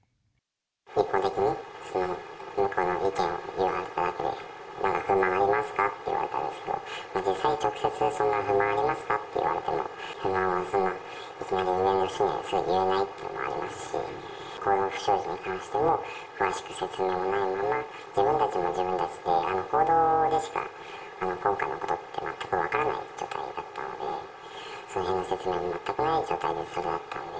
一方的に向こうの意見を言われただけで、何か不満ありますか？って言われたんですけど、実際に直接にそんな不満ありますかっていわれても、不満をいきなり上の人には言えないっていうのもありますし、この不祥事に関しても詳しく説明がないまま、自分たちも自分たちで、報道でしか、今回のことって全く分からない状態だったので、そのへんの説明も全くない状態でそれだったので。